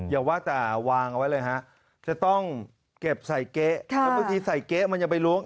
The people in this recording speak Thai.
อย่าว่าจะวางเอาไว้เลยครับจะต้องเก็บใส่เก๊ถ้าบางทีใส่เก๊มันจะไปล้วง